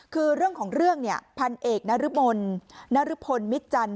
คือเรื่องของเรื่องเนี่ยพันเอกนรมนนรพลมิจจันท